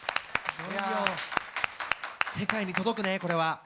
世界に届くねこれは。